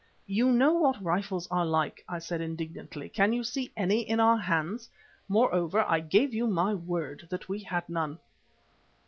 "You know what rifles are like," I said indignantly. "Can you see any in our hands? Moreover, I give you my word that we have none."